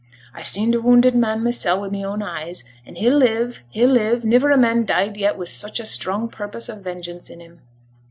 I seen t' wounded man mysen wi' my own eyes; and he'll live! he'll live! Niver a man died yet, wi' such a strong purpose o' vengeance in him.